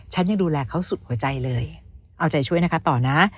ฉันยังดูแลเขาสุดหัวใจเลยเอาใจช่วยนะคะต่อนะ